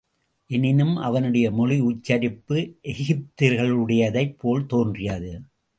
எனினும் அவனுடைய மொழி உச்சரிப்பு எகிப்தியர்களுடையதைப் போல் தோன்றியது.